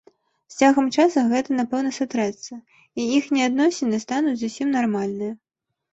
З цягам часу гэта напэўна сатрэцца, і іхнія адносіны стануць зусім нармальныя.